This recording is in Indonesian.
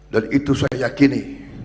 dan itu saya yakini